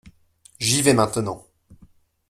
J’y vais maintenant.